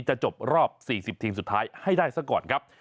จะจบรอบ๔๐ทีมสุดท้ายให้ได้ซะก่อนครับ